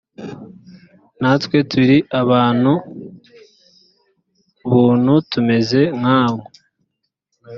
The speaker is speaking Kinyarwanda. natwe turi abantu buntu tumeze nkamwe